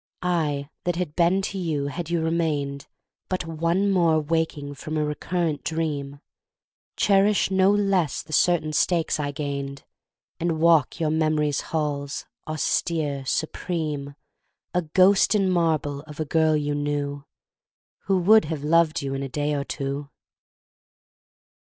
I, that had been to you, had you remained, But one more waking from a recurrent dream, Cherish no less the certain stakes I gained, And walk your memory's halls, austere, supreme, A ghost in marble of a girl you knew Who would have loved you in a day or two.